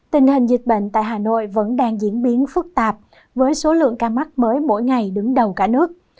tình hình dịch bệnh tại hà nội vẫn đang diễn biến phức tạp với số lượng ca mắc mới mỗi ngày đứng đầu cả nước